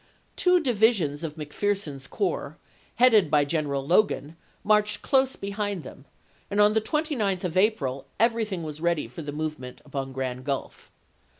Two divisions of McPherson's corps, headed by General Logan, marched close behind them, and on the 29th of April everything was i863, ready for the movement upon Grand Gulf.